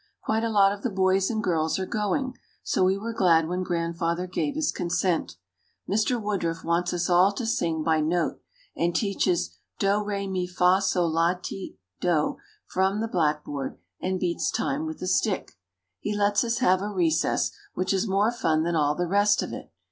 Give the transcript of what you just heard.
Quite a lot of the boys and girls are going, so we were glad when Grandfather gave his consent. Mr. Woodruff wants us all to sing by note and teaches "do re me fa sol la si do" from the blackboard and beats time with a stick. He lets us have a recess, which is more fun than all the rest of it.